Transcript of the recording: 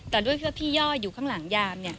แต่ด้วยเพื่อพี่ย่ออยู่ข้างหลังยาม